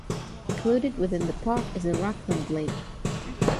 Included within the park is the Rockland Lake.